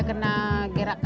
ya karena geraknya